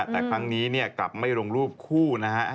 แต่ครั้งนี้กลับไม่ลงรูปคู่นะฮะ